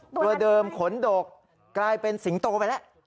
ตัวเดิมขนดกกลายเป็นสิงโตไปแล้ว